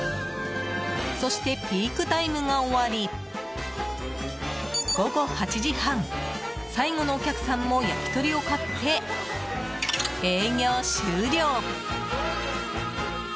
そしてピークタイムが終わり午後８時半、最後のお客さんも焼き鳥を買って営業終了。